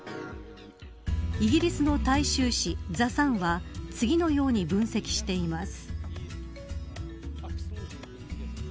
イギリスの大衆紙ザ・サンは次のように分析しています